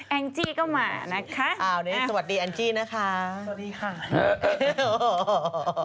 แอ้งจี้ก็มานะฮะ